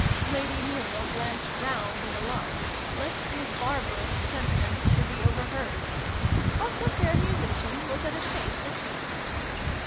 " Lady Muriel glanced round in alarm, lest these barbarous sentiments should be over heard. But the fair musician was at a safe distance.